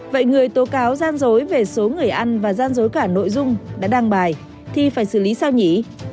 vậy người tố cáo gian dối về số người ăn và gian dối cả nội dung đã đăng bài thì phải xử lý sao nhỉ